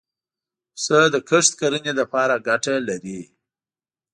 پسه د کښت کرنې له پاره ګټه لري.